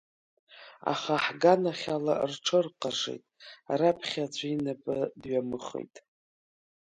Аха ҳганахь ала рҽырҟажеит, раԥхьа аӡәы инапы дҩамыхеит.